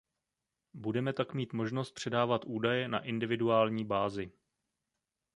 Budeme tak mít možnost předávat údaje na individuální bázi.